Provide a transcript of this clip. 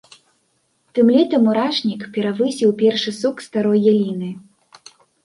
Тым летам мурашнік перавысіў першы сук старой яліны.